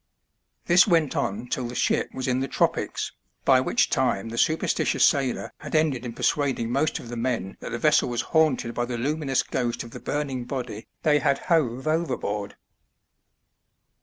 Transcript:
This went on till the ship was in the tropics, by which time the superstitious sailor had ended in per suading most of the men that the vessel was haunted by the luminous ghost of the burning body they had hove overboard.